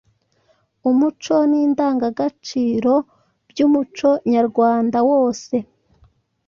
umuco n’indangagaciro by’umuco nyarwanda wose.